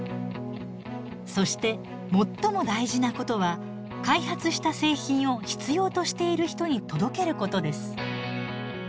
そして最も大事なことは開発した製品を必要としている人に届けることです。